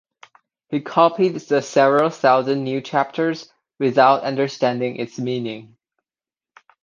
He copied the several thousand new chapters without understanding its meaning.